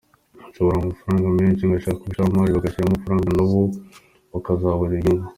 Nshora amafaranga menshi, ngashaka abashoramari bagashyiramo amafaranga na bo bakazabona inyungu.